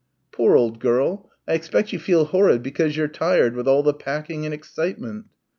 "Poor old girl. I expect you feel horrid because you're tired with all the packing and excitement."